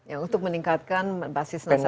ya untuk meningkatkan basis nasabah